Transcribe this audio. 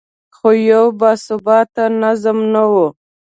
خو یو باثباته نظام نه و